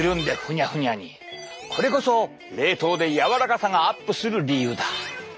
これこそ冷凍でやわらかさがアップする理由だ。